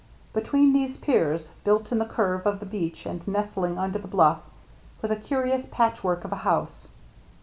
Between these piers, built in the curve of the beach and nestling under the bluff, was a curious patchwork of a house.